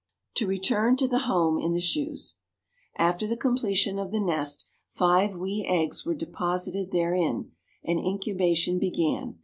To return to the home in the shoes. After the completion of the nest five wee eggs were deposited therein, and incubation began.